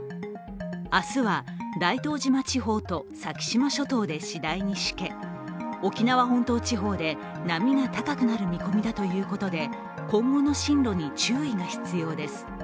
明日は大東島地方と、先島諸島で次第にしけ沖縄本島地方で波が高くなる見込みだということで今後の進路に注意が必要です。